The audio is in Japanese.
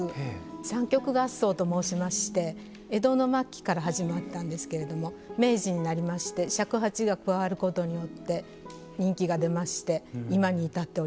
「三曲合奏」と申しまして江戸の末期から始まったんですけれども明治になりまして尺八が加わることによって人気が出まして今に至っております。